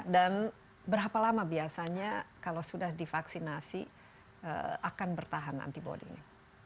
dan berapa lama biasanya kalau sudah divaksinasi akan bertahan antibody ini